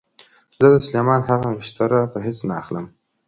زه د سلیمان هغه انګشتره په هېڅ نه اخلم.